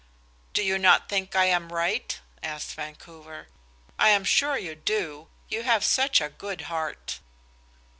"Do you not think I am right?" asked Vancouver. "I am sure you do; you have such a good heart."